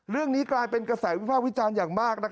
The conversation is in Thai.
เรื่องนี้กลายเป็นกระแสวิภาควิจารณ์อย่างมาก